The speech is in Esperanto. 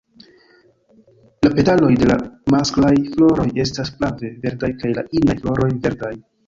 La petaloj de la masklaj floroj estas flave verdaj kaj la inaj floroj verdaj.